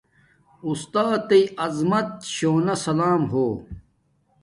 استاتݵ عظمت شو سلام ہو